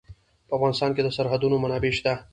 په افغانستان کې د سرحدونه منابع شته.